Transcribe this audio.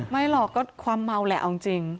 ไม่หรอกก็ความเมาแหละเอาจริง